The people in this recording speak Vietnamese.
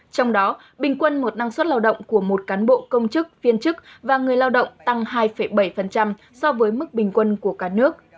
trong đó bình quân một năng suất lao động của một cán bộ công chức viên chức và người lao động tăng hai bảy so với mức bình quân của cả nước